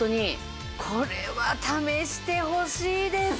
これは試してほしいです！